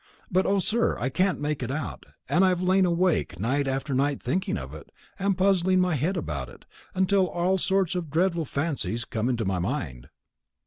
But O, sir, I can't make it out, and I have lain awake, night after night thinking of it, and puzzling myself about it, until all sorts of dreadful fancies come into my mind."